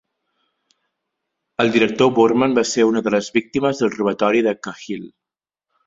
El director Boorman va ser una de les víctimes de robatori de Cahill.